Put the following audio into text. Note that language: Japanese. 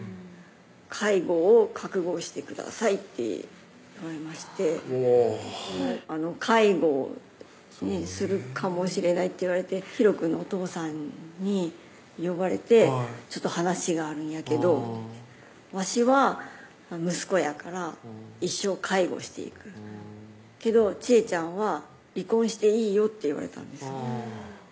「介護を覚悟してください」って言われましておぉ「介護するかもしれない」って言われてひろくんのお父さんに呼ばれて「ちょっと話があるんやけど」って言って「わしは息子やから一生介護していくけどちえちゃんは離婚していいよ」って言われたんです